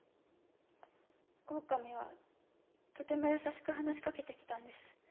オオカミはとても優しく話しかけてきたんです。